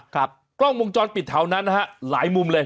กล้องวงจรปิดแถวนั้นนะฮะหลายมุมเลย